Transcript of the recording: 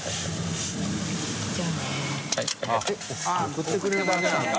△送ってくれるだけなんだ。